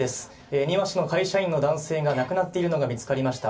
恵庭市の会社員の男性が亡くなっているのが見つかりました。